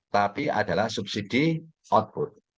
tapi adalah subsidi output